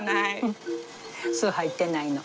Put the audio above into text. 酢入ってないの。